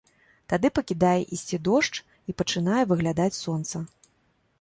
Тады пакідае ісці дождж, і пачынае выглядаць сонца.